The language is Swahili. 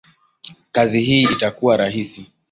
kazi hii itakuwa rahisi?